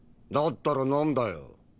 だったらなんだよ。